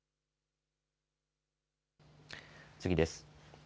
次です。